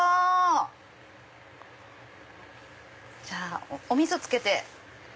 じゃあおみそつけて。